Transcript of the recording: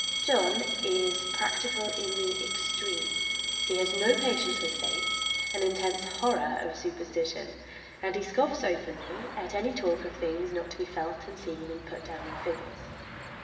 John is practical in the extreme. He has no patience with faith, an intense horror of superstition, and he scoffs openly at any talk of things not to be felt and seen and put down in figures.